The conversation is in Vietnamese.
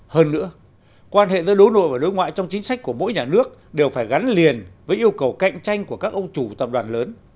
hơn nữa quan hệ giữa đối nội và đối ngoại trong chính sách của mỗi nhà nước đều phải gắn liền với yêu cầu cạnh tranh của các ông chủ tập đoàn lớn